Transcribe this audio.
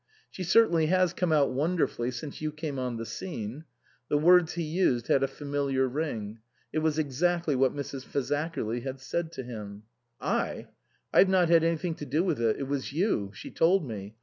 " She certainly has come out wonderfully since you came on the scene." (The words he used had a familiar ring. It was exactly what Mrs. Fazakerly had said to him.) " I ? I've not had anything to do with it. It was you ; she told me.